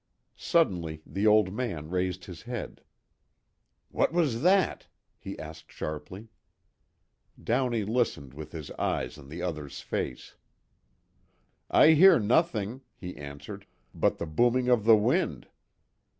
Suddenly the old man raised his head: "What was that?" he asked sharply. Downey listened with his eyes on the other's face. "I hear nothing," he answered, "but the booming of the wind."